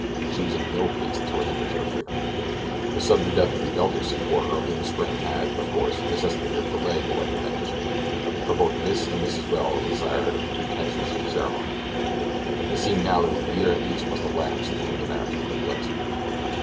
She was in no haste to relinquish her freedom. The sudden death of the elder Secor early in the spring had, of course, necessitated a delay in the wedding plans; for both Miss and Mrs. Welles desired a pretentious ceremony. It seemed now that a year at least must elapse before the marriage could take place.